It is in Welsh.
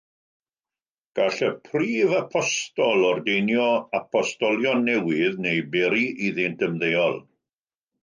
Gall y Prif Apostol ordeinio apostolion newydd neu beri iddynt ymddeol.